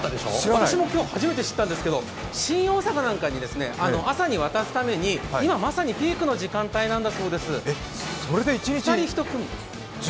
私も今日初めて知ったんですけど、新大阪なんかに朝に渡すために今、まさにピークの時間帯なんだそうです。